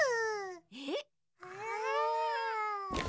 えっ！？